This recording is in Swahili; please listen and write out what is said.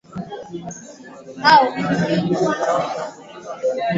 Mara ijayo itakuwa tofauti.